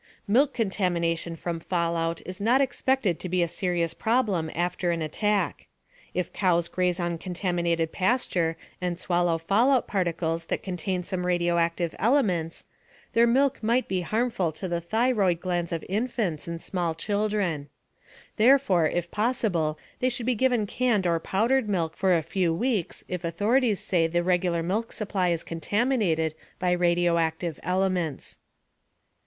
Milk contamination from fallout is not expected to be a serious problem after an attack. If cows graze on contaminated pasture and swallow fallout particles that contain some radioactive elements, their milk might be harmful to the thyroid glands of infants and small children. Therefore, if possible, they should be given canned or powdered milk for a few weeks if authorities say the regular milk supply is contaminated by radioactive elements.